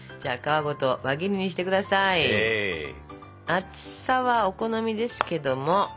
厚さはお好みですけども。